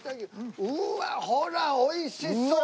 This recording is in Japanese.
うわっほら美味しそう！